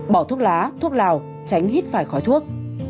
bỏ thuốc lá thuốc lào tránh hít phải khói thuốc